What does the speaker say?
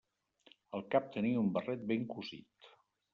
Al cap tenia un barret ben cosit.